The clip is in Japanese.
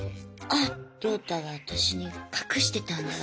あっ亮太が私に隠してたんだわ